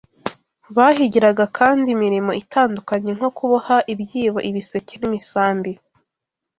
Bahigiraga kandi imirimo itandukanye nko kuboha ibyibo ibiseke n’imisambi